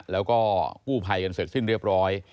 แล้วก็กู้ภัยกันเสร็จสิ้นเรียบร้อย